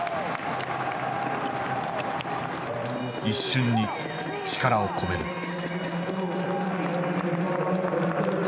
一瞬に力を込める。